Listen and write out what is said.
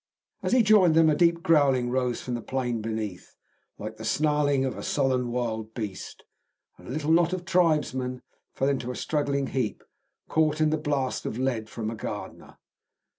As he joined them a deep growling rose from the plain beneath, like the snarling of a sullen wild beast, and a little knot of tribesmen fell into a struggling heap, caught in the blast of lead from a Gardner.